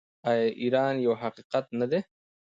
آیا ایران یو حقیقت نه دی؟